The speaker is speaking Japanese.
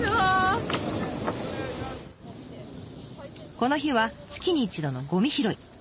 この日は月に一度のごみ拾い。